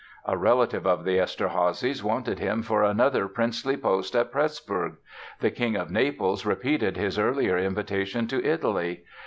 A relative of the Eszterházys wanted him for another princely post at Pressburg; the king of Naples repeated his earlier invitation to Italy.